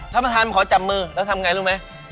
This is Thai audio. ถ้ามาทานมันขอจำมือแล้วทำอย่างไรรู้ไหม